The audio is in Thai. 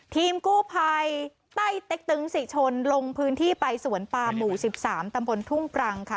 ทีมกู้ภัยใต้เต็กตึงศรีชนลงพื้นที่ไปสวนปามหมู่๑๓ตำบลทุ่งปรังค่ะ